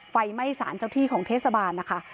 ไฟไหม้สารเจ้าที่ของเทศบาลนะคะ